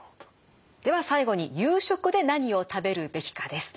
では最後に夕食で何を食べるべきかです。